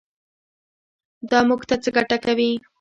دا موږ ته څه ګټه کوي.